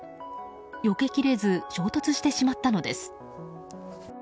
よけきれず衝突してしまったのです。